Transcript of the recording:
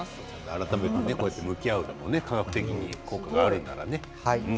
改めて向き合う科学的に効果があるんならね。